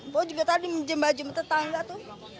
bu juga tadi menjembat jembat tetangga tuh